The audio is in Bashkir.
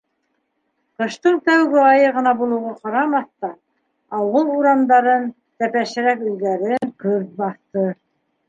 Ҡыштың тәүге айы ғына булыуға ҡарамаҫтан, ауыл урамдарын, тәпәшерәк өйҙәрен көрт баҫты.